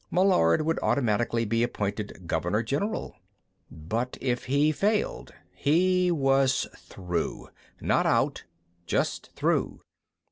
Meillard would automatically be appointed governor general. But if he failed, he was through. Not out just through.